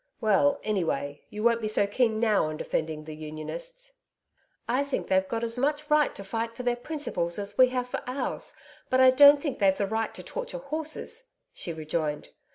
Well, anyway, you won't be so keen now on defending the Unionists.' 'I think they've got as much right to fight for their principles as we have for ours, but I don't think they've the right to torture horses,' she rejoined.